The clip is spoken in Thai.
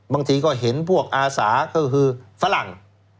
บางทีก็เห็นพวกอาสาก็คือฝรั่ง